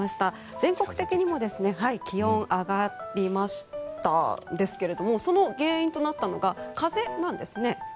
全国的にも気温上がりましたんですけれどもその原因となったのが風なんですね。